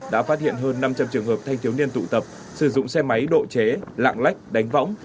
đã phát hiện hơn năm trăm linh trường hợp thanh thiếu niên tụ tập sử dụng xe máy độ chế lạng lách đánh võng